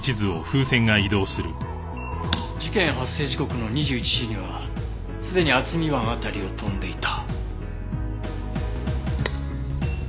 事件発生時刻の２１時にはすでに渥美湾辺りを飛んでいた。